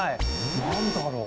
何だろう。